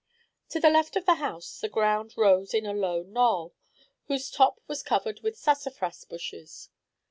To the left of the house the ground rose in a low knoll, whose top was covered with sassafras bushes.